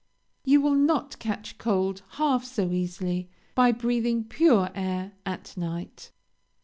You will not catch cold half so easily by breathing pure air at night.